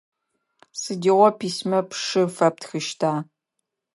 Сыдигъо письмэ пшы фэптхыщта?